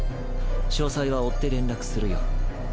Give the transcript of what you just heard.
詳細は追って連絡するよ。